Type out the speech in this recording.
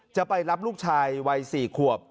จะไปรับลูกชายวัย๔ขวบ